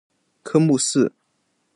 科目四